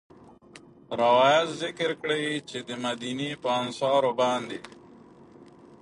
روايت ذکر کړی چې د مديني په انصارو باندي